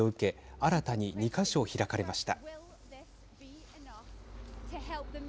新たに２か所、開かれました。